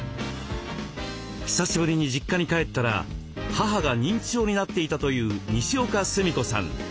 久しぶりに実家に帰ったら母が認知症になっていたというにしおかすみこさん。